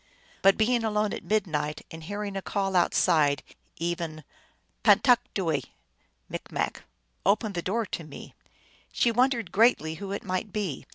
But being alone at midnight, and hearing a call outside, even "Pantakdooe! " M., "Open the door to me !" she wondered greatly who it might be.